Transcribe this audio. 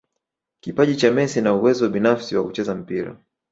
kipaji cha Messi na uwezo binafsi wa kucheza na mpira